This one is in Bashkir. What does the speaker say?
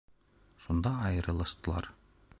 Шунда айырылыштылар.